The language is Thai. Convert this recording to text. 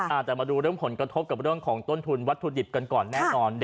อาจจะมาดูเรื่องผลกระทบกับเรื่องของต้นทุนวัตถุดิบกันก่อนแน่นอน